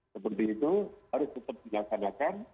seperti itu harus tetap dilaksanakan